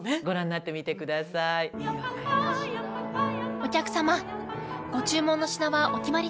お客様ご注文の品はお決まりですか？